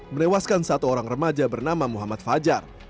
menewaskan satu orang remaja bernama muhammad fajar